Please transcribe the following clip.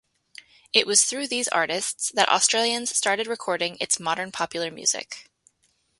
It was through these artists that Australians started recording its modern popular music.